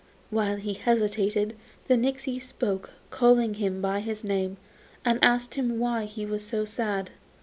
While he hesitated the nixy spoke, called him by his name, and asked him why he was so sad.